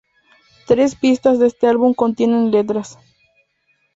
Tres pistas de este álbum contienen letras.